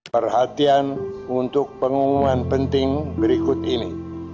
perhatian untuk pengumuman penting berikut ini